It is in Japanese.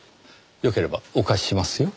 よければお貸ししますよ。